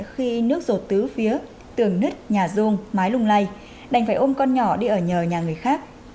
khi nước rột tứ phía tường nứt nhà rung mái lùng lây đành phải ôm con nhỏ đi ở nhờ nhà người khác